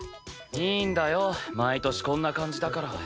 いいんだよ毎年こんな感じだから。